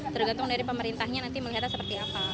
tergantung dari pemerintahnya nanti melihatnya seperti apa